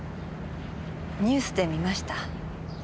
ニュースで見ました。